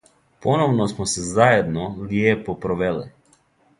Поновно смо се заједно лијепо провеле.